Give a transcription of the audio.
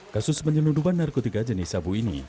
kasus penyelundupan narkotika jenis sabu ini